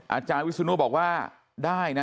อาจารย์วิศนุบอกว่าได้นะ